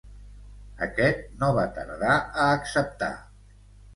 Aquest no va tardar a acceptar.